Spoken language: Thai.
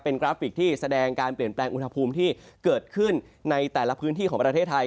กราฟิกที่แสดงการเปลี่ยนแปลงอุณหภูมิที่เกิดขึ้นในแต่ละพื้นที่ของประเทศไทย